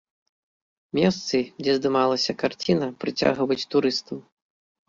Месцы, дзе здымалася карціна, прыцягваюць турыстаў.